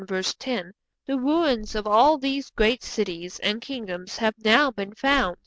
The ruins of all these great cities and kingdoms have now been found.